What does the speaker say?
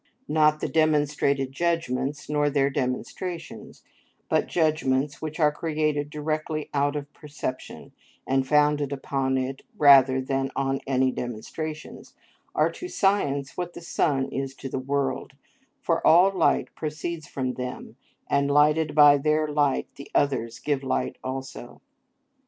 Not the demonstrated judgments nor their demonstrations, but judgments which are created directly out of perception, and founded upon it rather than on any demonstrations, are to science what the sun is to the world; for all light proceeds from them, and lighted by their light the others give light also.